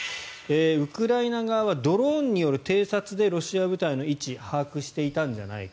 ウクライナ側はドローンによる偵察でロシア部隊の位置を把握していたんじゃないか。